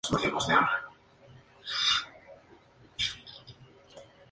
Durante su estancia en Maguncia, Esser fue profesor de composición musical de Peter Cornelius.